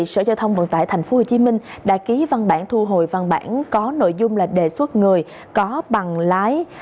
sở giao thông vận tải tp hcm đã ký văn bản thu hồi văn bản có nội dung là đề xuất người có bằng lái